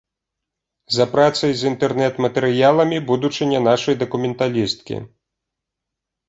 За працай з інтэрнэт-матэрыяламі будучыня нашай дакументалісткі.